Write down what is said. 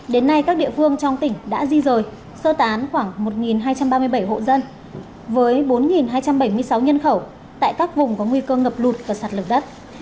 đến nay các địa phương trong tỉnh đã di rời sơ tán khoảng một hai trăm ba mươi bảy hộ dân với bốn hai trăm bảy mươi sáu nhân khẩu tại các vùng có nguy cơ ngập lụt và sạt lở đất